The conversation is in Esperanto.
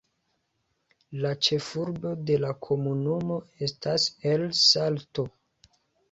La ĉefurbo de la komunumo estas El Salto.